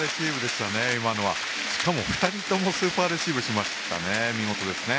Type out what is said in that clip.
しかも２人ともスーパーレシーブしましたね。